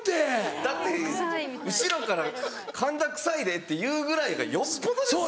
だって後ろから「神田臭いで」って言うぐらいやからよっぽどですよ。